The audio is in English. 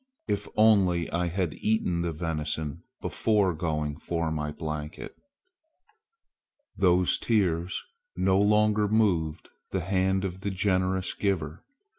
If only I had eaten the venison before going for my blanket!" Those tears no longer moved the hand of the Generous Giver.